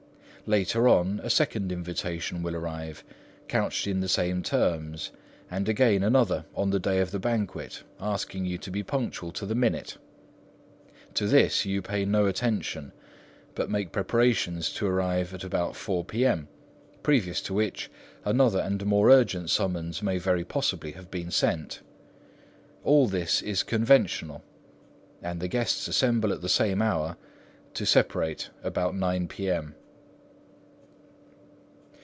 Later on, a second invitation will arrive, couched in the same terms; and again another on the day of the banquet, asking you to be punctual to the minute. To this you pay no attention, but make preparations to arrive about 4 P.M., previous to which another and more urgent summons may very possibly have been sent. All this is conventional, and the guests assemble at the same hour, to separate about 9 P.M.